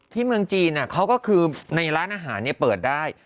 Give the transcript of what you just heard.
เมืองจีนเขาก็คือในร้านอาหารเปิดได้